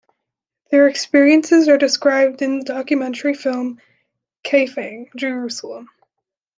Their experiences are described in the documentary film, "Kaifeng, Jerusalem".